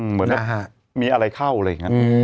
เหมือนมีอะไรเข้าเลยนะ